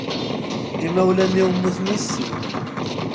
Imawlan-iw mmuten i sin.